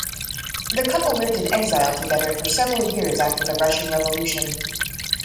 The couple lived in exile together for several years after the Russian Revolution.